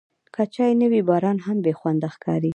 که چای نه وي، باران هم بېخونده ښکاري.